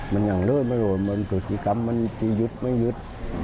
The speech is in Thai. มันยังเลิศไม่โหลสุธิกรรมมันจะหยุดไม่หยุด